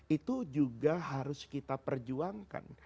itu juga harus kita perjuangkan